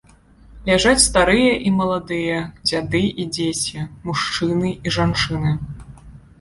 Ляжаць старыя і маладыя, дзяды і дзеці, мужчыны і жанчыны.